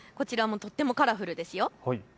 こちらもとってもカラフルですよ。